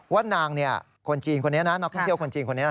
ว่านางคือคนจีนน้องท่านเที่ยวคนจีนคนนี้